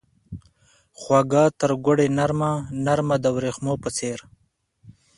خوږه ترګوړې نرمه ، نرمه دوریښمو په څیر